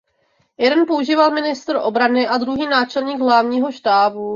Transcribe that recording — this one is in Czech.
Jeden používal ministr obrany a druhý náčelník hlavního štábu.